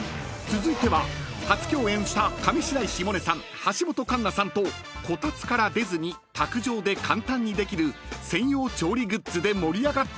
［続いては初共演した上白石萌音さん橋本環奈さんとこたつから出ずに卓上で簡単にできる専用調理グッズで盛り上がった場面から］